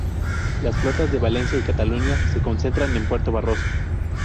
Las flotas de Valencia y Cataluña se concentran en Puerto Barroso.